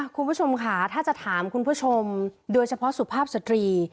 คุณผู้ชมค่ะถ้าจะถามคุณผู้ชมโดยเฉพาะสุภาพสตรี